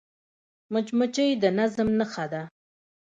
مچمچۍ د نظم نښه ده